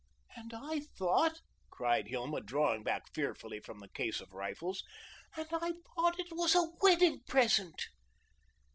"And I thought," cried Hilma, drawing back fearfully from the case of rifles, "and I thought it was a wedding present."